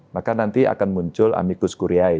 maka nanti akan muncul amicus kuriayi